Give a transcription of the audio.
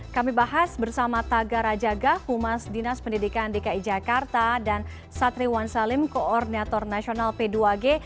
kami bahas bersama taga rajaga humas dinas pendidikan dki jakarta dan satriwan salim koordinator nasional p dua g